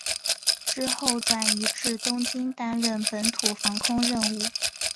之后转移至东京担任本土防空任务。